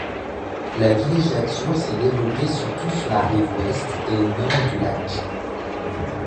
La villégiature s’est développée surtout sur la rive Ouest et au Nord du lac.